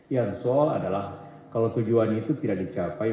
yang soal adalah kalau tujuannya itu tidak dicapai